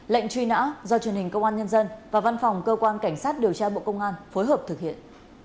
lệnh truy nã do truyền hình công an nhân dân và văn phòng cơ quan cảnh sát điều tra bộ công an phối hợp thực hiện